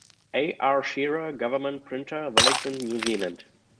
A. R. Shearer, Government Printer, Wellington, New Zealand.